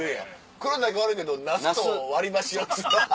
黒田だけ悪いけどナスと割り箸４つ。